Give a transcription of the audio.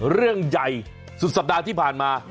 เรื่องใหญ่สุดสัปดาห์ที่ผ่านมา